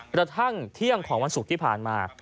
กระทั่งเที่ยงของวันศุกร์ที่ผ่านมา